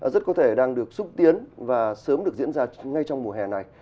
rất có thể đang được xúc tiến và sớm được diễn ra ngay trong mùa hè này